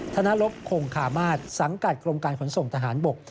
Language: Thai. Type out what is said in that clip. ธนรบคงคามาศสังกัดกรมการขนส่งทหารบก